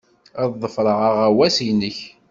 Ad ḍefreɣ aɣawas-nnek.